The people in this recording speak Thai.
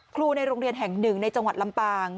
ครูในโรงเรียนแห่งหนึ่งในจังหวัดลำปาง